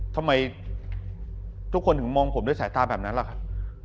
ทำไมทุกคนถึงมองผมด้วยสายตาแบบนั้นล่ะครับ